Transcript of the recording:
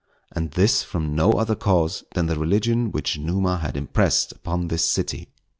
And this from no other cause than the religion which Numa had impressed upon this city.